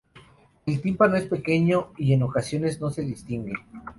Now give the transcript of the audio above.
El tímpano es pequeño y en ocasiones no se distingue.